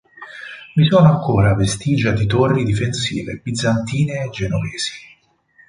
Vi sono ancora vestigia di torri difensive bizantine e genovesi.